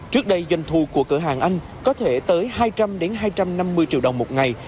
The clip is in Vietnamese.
trước đây doanh thu của cửa hàng anh có thể tới hai trăm linh hai trăm năm mươi triệu đồng một ngày